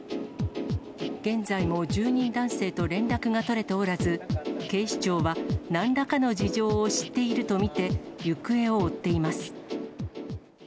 現在も住人男性と連絡が取れておらず、警視庁はなんらかの事情を知っていると見て、行方を追っています。